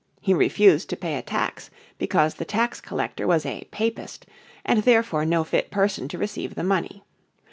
He refused to pay a tax because the tax collector was a "Papist," and therefore no fit person to receive the money.